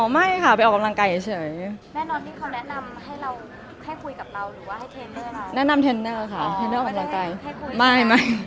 อ๋อไม่ค่ะไปออกกำลังกายเฉย